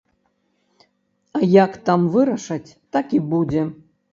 А як там вырашаць, так і будзе.